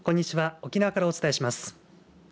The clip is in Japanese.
沖縄からお伝えします。